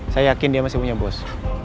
saya yakin dia masih punya bos